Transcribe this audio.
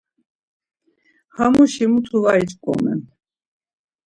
Hamuşi mutu var iç̌ǩomen.